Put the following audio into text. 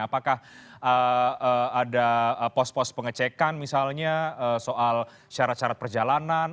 apakah ada pos pos pengecekan misalnya soal syarat syarat perjalanan